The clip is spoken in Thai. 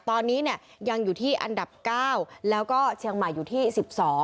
ตอนนี้ยังอยู่ที่อันดับ๙แล้วก็เชียงใหม่อยู่ที่๑๒